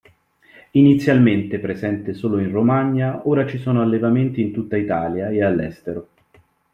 Inizialmente presente solo in Romagna, ora ci sono allevamenti in tutta Italia e all'estero.